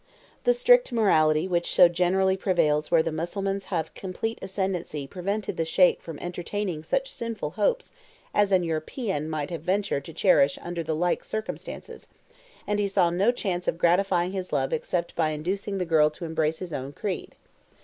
The strict morality which so generally prevails where the Mussulmans have complete ascendency prevented the Sheik from entertaining any such sinful hopes as an European might have ventured to cherish under the like circumstances, and he saw no chance of gratifying his love except by inducing the girl to embrace his own creed.